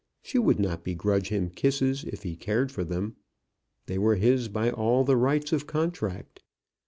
She would not begrudge him kisses if he cared for them. They were his by all the rights of contract.